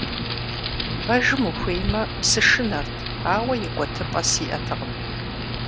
Пэжым ухуеймэ, сышынэрт, ауэ икӀуэтыпӀэ сиӀэтэкъым.